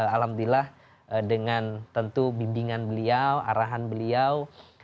alhamdulillah dengan tentu bimbingan beliau arahan beliau